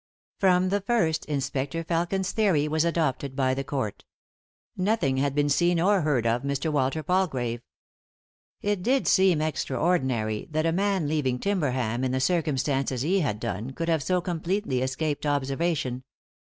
From the first Inspector Felkin's theory was adopted by the court. Nothing had been seen or heard of Mr. Walter Palgrave. It did seem extraordinary that a man leaving Timberbam in the circumstances he had done could have so completely escaped observa tion.